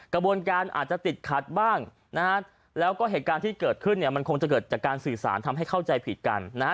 กระบวนการอาจจะติดขัดบ้างนะฮะแล้วก็เหตุการณ์ที่เกิดขึ้นเนี่ยมันคงจะเกิดจากการสื่อสารทำให้เข้าใจผิดกันนะฮะ